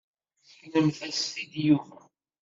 Seknemt-as-t i Yuba.